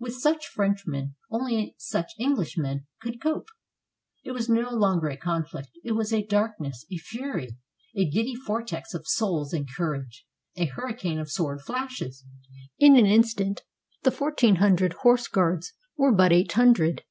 With such Frenchmen only such EngUshmen could cope. It was no longer a conflict; it was a darkness, a fury, a giddy vortex of souls and courage, a hurricane of sword flashes. In an instant the fourteen hundred horse guards were but eight hundred.